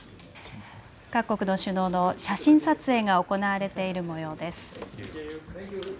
各国の首脳の写真撮影が行われているもようです。